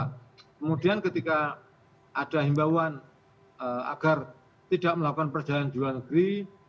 kemudian ketika ada himbauan agar tidak melakukan perjalanan di luar negeri